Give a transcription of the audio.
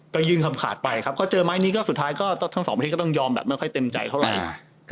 ก็ยื่นคำขาดไปครับก็เจอไม้นี้ก็สุดท้ายก็ทั้งสองประเทศก็ต้องยอมแบบไม่ค่อยเต็มใจเท่าไหร่